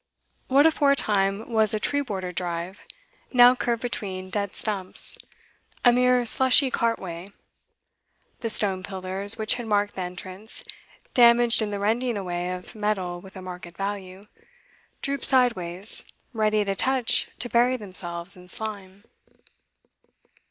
What aforetime was a tree bordered drive, now curved between dead stumps, a mere slushy cartway; the stone pillars, which had marked the entrance, damaged in the rending away of metal with a market value, drooped sideways, ready at a touch to bury themselves in slime.